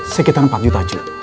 sekitar empat juta cu